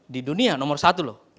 di dunia nomor satu loh